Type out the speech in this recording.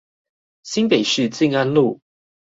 新北市靜安路